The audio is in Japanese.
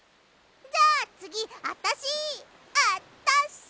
じゃあつぎあたし！あったっし！